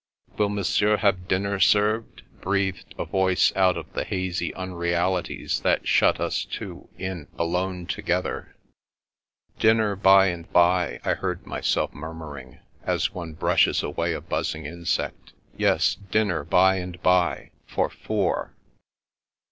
" Will Monsieur have dinner served ?" breathed a voice out of the hazy unrealities that shut us two in alone together. " Dinner by and bye," I heard myself murmur ing, as one brushes away a buzzing insect. " Yes, — dmner by and bye — for four."